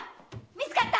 見つかった！